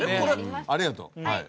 ありがとうはい。